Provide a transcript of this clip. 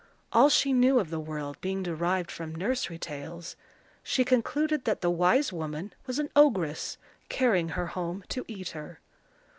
All she knew of the world being derived from nursery tales, she concluded that the wise woman was an ogress, carrying her home to eat her.